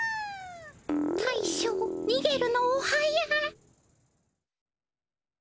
大将にげるのお早。